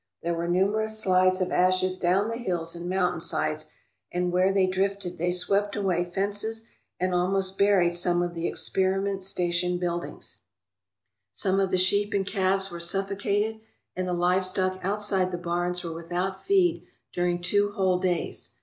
There were numerous slides of ashes down the hills and mountainsides, and where they drifted they swept away fences and al most buried some of the experiment station buildings. 246 THE ALEUTIAN ISLANDS Some of the sheep and calves were suffocated, and the livestock outside the barns were without feed during two whole days.